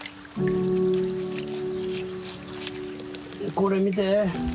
これ見て。